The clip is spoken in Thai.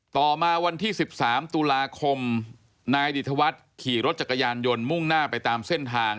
ต่อมาวันที่๑๓ตุลาคมนายดิตวัฒน์ขี่รถจักรยานยนต์มุ่งหน้าไปตามเส้นทาง